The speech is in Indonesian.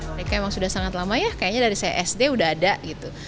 mereka emang sudah sangat lama ya kayaknya dari saya sd udah ada gitu